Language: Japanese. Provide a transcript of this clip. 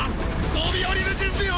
飛び降りる準備を！！